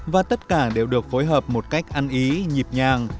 và tất cả đều được phối hợp một cách ăn ý nhịp nhàng